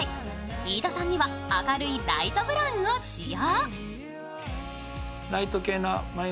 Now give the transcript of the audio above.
飯田さんには、明るいライトブラウンを使用。